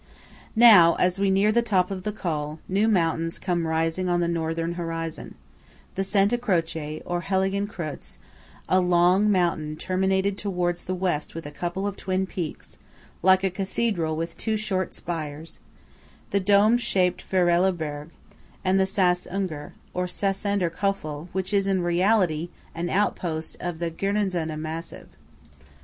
Now, as we near the top of the Col, new mountains come rising on the northern horizon;–the Santa Croce, or Heiligen Kreutz, a long mountain terminated towards the west with a couple of twin peaks, like a Cathedral with two short spires; the dome shaped Verella Berg; and the Sass Ungar, or Sassander Kofel, which is, in reality, an outpost of the Guerdenazza Massive.